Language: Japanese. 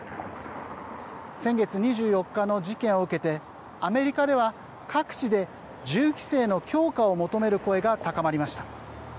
先月２４日の事件を受けてアメリカでは各地で銃規制の強化を求める声が高まりました。